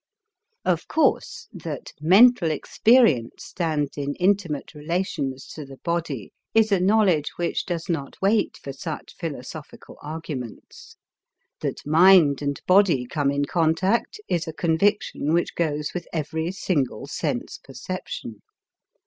Of course, that mental experience stands in intimate relations to the body is a knowledge which does not wait for such philosophical arguments. That mind and body come in contact is a conviction which goes with every single sense perception.